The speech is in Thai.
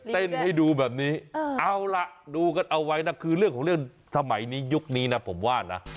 ให้ดูแบบนี้เอาล่ะดูกันเอาไว้นะคือเรื่องของเรื่องสมัยนี้ยุคนี้นะผมว่านะ